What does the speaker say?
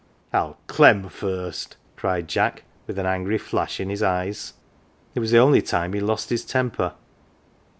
" 111 clem first !" cried Jack with an angry flash in his eyes : it was the only time he lost his temper.